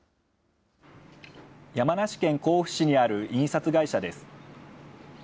山梨県甲府市にある印刷会社です。